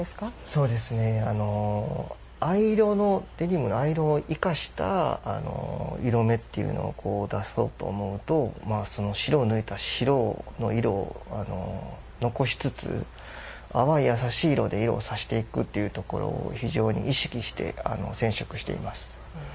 そうですね、藍色のデニムの藍色を生かした色目っていうのを出そうと思うと白を抜いた白の色を残しつつ淡い優しい色で色を挿していくというところを非常に意識して染色しています。